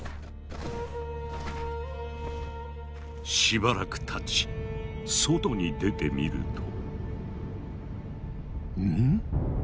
しばらくたち外に出てみると。